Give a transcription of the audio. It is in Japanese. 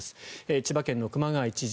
千葉県の熊谷知事